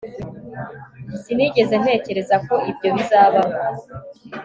sinigeze ntekereza ko ibyo bizabaho